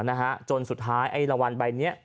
น่ะฮะจนสุดท้ายอันนี้ในวันใบเนี้ย